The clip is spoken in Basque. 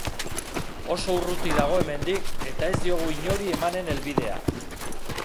Oso urruti dago hemendik, eta ez diogu inori emanen helbidea.